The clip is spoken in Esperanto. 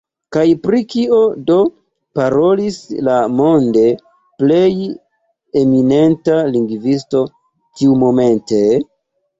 Kaj pri kio do parolis la monde plej eminenta lingvisto tiumomente?